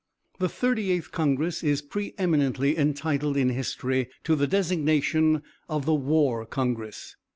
"The Thirty eighth Congress is pre eminently entitled in history to the designation of the War Congress.